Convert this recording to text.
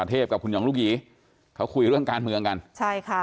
แต่จริงคนมาร่วมคาร์มอบเยอะนะ